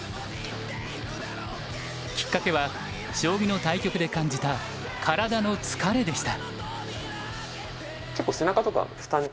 きっかけは将棋の対局で感じた体の疲れでした。